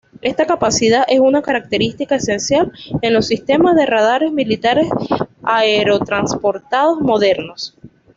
Esta capacidad es una característica esencial en los sistemas de radares militares aerotransportados modernos.